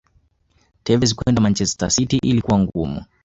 Tevez kwenda manchester city ilikuwa ngumu